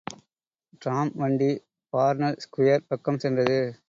DRAM வண்டி Parnell square பக்கம் சென்றது.